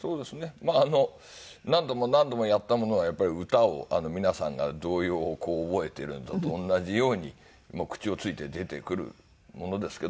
まあ何度も何度もやったものはやっぱり歌を皆さんが童謡を覚えているのと同じように口をついて出てくるものですけど。